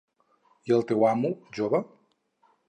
I el teu amo, jove!